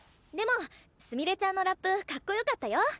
でもすみれちゃんのラップかっこよかったよ！